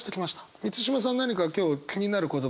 満島さん何か今日気になる言葉ありました？